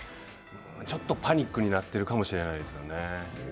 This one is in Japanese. ちょっとパニックになってるかもしれないですね。